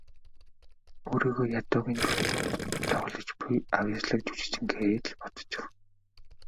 Өөрийгөө ядуугийн дүрд тоглож буй авъяаслагжүжигчин гээд л бодчих.